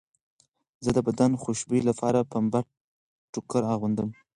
زه د بدن خوشبویۍ لپاره پنبه ټوکر اغوندم.